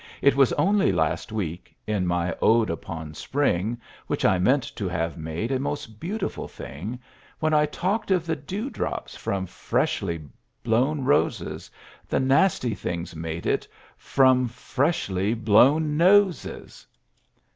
It was only last week, In my ode upon spring, Which I meant to have made A most beautiful thing, When I talked of the dewdrops From freshly blown roses, The nasty things made it From freshly blown noses.